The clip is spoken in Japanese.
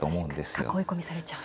囲い込みされちゃう。